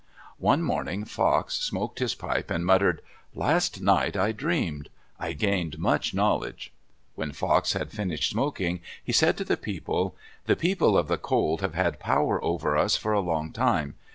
One morning Fox smoked his pipe and muttered, "Last night I dreamed. I gained much knowledge." When Fox had finished smoking, he said to the people, "The People of the Cold have had power over us for a long time.